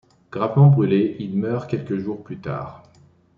Gravement brûlé il meurt quelques jours plus tard.